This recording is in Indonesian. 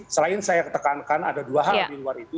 selain saya tekankan ada dua hal di luar itu